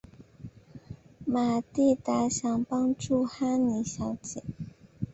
玛蒂达想帮助哈妮小姐。